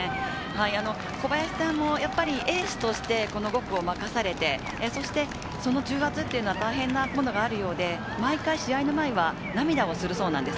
小林さんもエースとして５区を任されて、その重圧は大変なものがあるようで、毎回試合の前は涙するそうです。